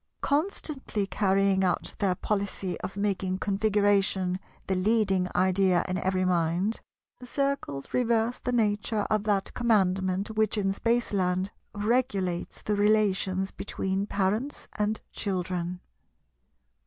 Constantly carrying out their policy of making Configuration the leading idea in every mind, the Circles reverse the nature of that Commandment which in Spaceland regulates the relations between parents and children.